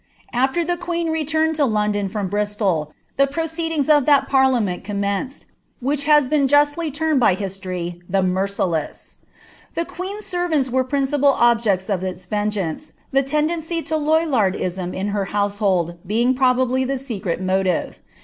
Ailer the queen i«iiia^ ID London from Bristol, the proceedings of that parliament eornvMCi'i which has been justly termed by history, the Merciless. The niiH*! servanifl were the principal objects of its vengeance, the Imdencf ■> Lollardism in her household being probably the secret rooliTe.